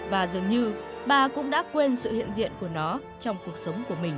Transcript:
và dường như bà cũng đã quên sự hiện diện của nó trong cuộc sống của mình